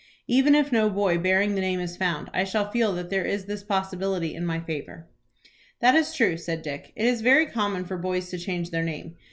Even if no boy bearing that name is found, I shall feel that there is this possibility in my favor." "That is true," said Dick. "It is very common for boys to change their name.